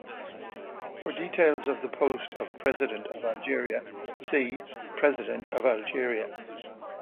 For details of the post of President of Algeria see: "President of Algeria"